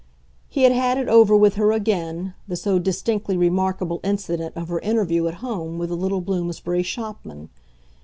He had had it over with her again, the so distinctly remarkable incident of her interview at home with the little Bloomsbury shopman.